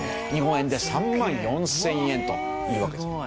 日本円で３万４０００円というわけです。